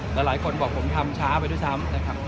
แต่หลายคนบอกผมทำช้าไปด้วยซ้ำนะครับ